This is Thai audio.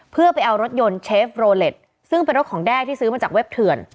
เพื่อไปเอารถยนต์เชฟโรเล็ตซึ่งเป็นรถของแด้ที่ซื้อมาจากเว็บเถื่อน